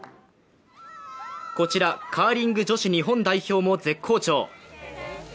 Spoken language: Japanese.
こちらカーリング女子日本代表も絶好調。